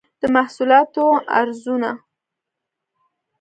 د محصولاتو ارزونه